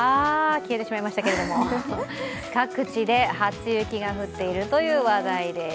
消えてしまいましたけれども各地で初雪が降っているという話題です。